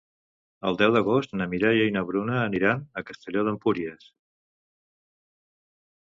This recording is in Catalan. El deu d'agost na Mireia i na Bruna aniran a Castelló d'Empúries.